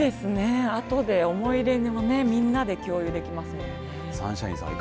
あとで思い出みんなで共有できますもんね。